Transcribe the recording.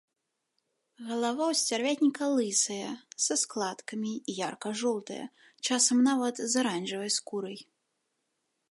Галава ў сцярвятніка лысая, са складкамі, і ярка-жоўтая, часам нават з аранжавай скурай.